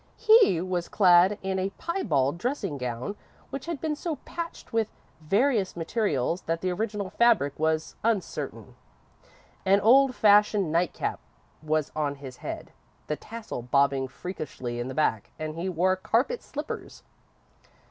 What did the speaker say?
He was clad in a piebald dressing gown which had been so patched with various materials that the original fabric was uncertain. An old fashioned nightcap was on his head, the tassel bobbing freakishly in the back, and he wore carpet slippers.